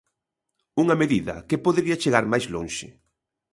Unha medida que podería chegar máis lonxe.